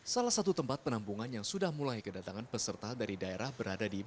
salah satu tempat penampungan yang sudah mulai kedatangan peserta dari daerah berada di bandung